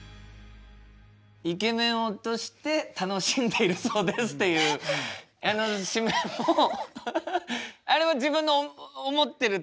「イケメンを落として楽しんでるそうです」っていうあの締めもあれは自分の思ってるとおり伝えられた？